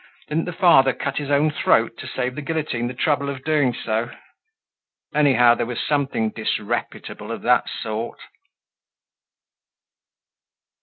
Didn't the father cut his own throat to save the guillotine the trouble of doing so? Anyhow, there was something disreputable of that sort!"